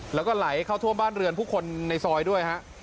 แล้วก็ไหลเข้าท่วมบ้านเรือนผู้คนในซอยด้วยฮะ